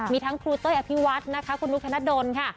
มีทั้งครูเต้ยอภิวัฒน์นะคะคุณนุกธนดลค่ะ